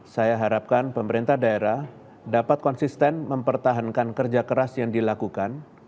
saya harapkan pemerintah daerah dapat konsisten mempertahankan kerja keras yang dilakukan